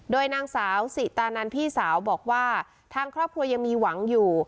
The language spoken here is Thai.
โดยนางสาวสิตานันพี่สาวบอกว่าทางครอบครัวยังมีหวังอยู่